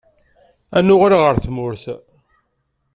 Ad nuɣal ɣer tmurt.